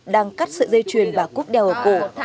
đang cắt sợi dây chuyền bà cúp đeo ở cổ